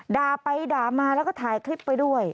ด่าไปด่ามาแล้วก็ถ่ายคลิปไว้ด้วย